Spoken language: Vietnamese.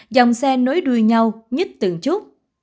dòng xe nối đuôi nhau nhít từng chút